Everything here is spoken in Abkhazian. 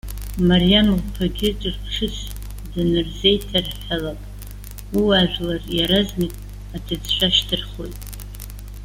Мариам лԥагьы ҿырԥшыс данырзеиҭарҳәалак, ууаажәлар иаразнак аҭыӡшәа шьҭырхуеит.